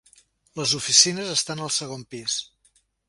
Les oficines estan al segon pis.